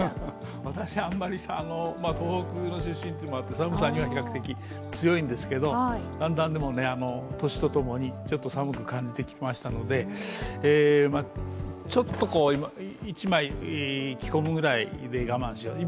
私、あんまり東北の出身というのもあって寒さには比較的強いんですけど、だんだん、年とともにちょっと寒く感じてきましたのでちょっと一枚着込むくらいで我慢しようと。